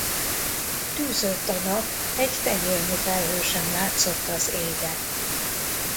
Tűzött a nap, egy tenyérnyi felhő sem látszott az égen.